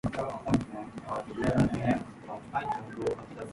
Arnold joined forces with Chaz Jankel, former pianist with Ian Dury and the Blockheads.